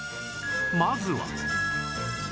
まずは